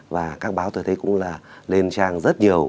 và các báo tôi thấy cũng là lên trang rất nhiều